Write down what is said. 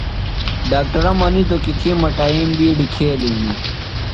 ڈاکٹرہ منِیتوۡ کیۡ تھی مٹائیم بِیڈیۡ کھیلیۡ ہِنیۡ